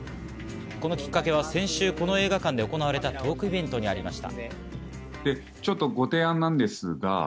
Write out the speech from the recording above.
きっかけは先週この映画館で行われたトークイベントにありました。